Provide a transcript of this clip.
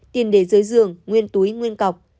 tiền để dưới giường nguyên túi nguyên cọc